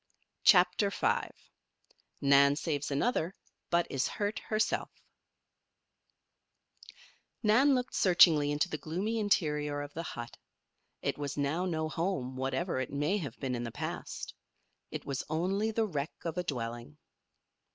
CHAPTER V NAN SAVES ANOTHER, BUT IS HURT HERSELF Nan looked searchingly into the gloomy interior of the hut. It was now no home, whatever it may have been in the past. It was only the wreck of a dwelling.